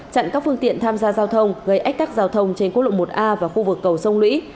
chặn các phương tiện tham gia giao thông gây ách tắc giao thông trên quốc lộ một a và khu vực cầu sông lũy